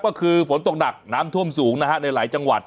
ก็คือฝนตกหนักน้ำท่วมสูงนะฮะในหลายจังหวัด